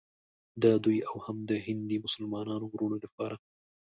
د دوی او هم د هندي مسلمانانو وروڼو لپاره.